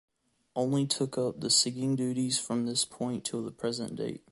Only took up the singing duties from this point till the present date.